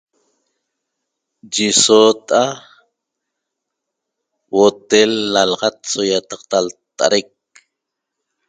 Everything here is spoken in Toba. yi sotaa' huotel lalaxat so iataqta lta'araic